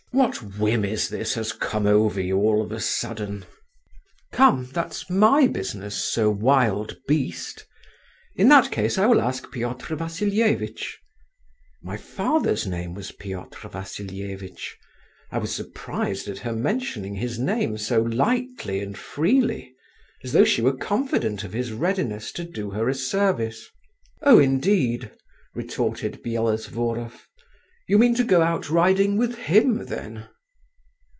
What whim is this has come over you all of a sudden?" "Come, that's my business, Sir Wild Beast. In that case I will ask Piotr Vassilievitch." … (My father's name was Piotr Vassilievitch. I was surprised at her mentioning his name so lightly and freely, as though she were confident of his readiness to do her a service.) "Oh, indeed," retorted Byelovzorov, "you mean to go out riding with him then?"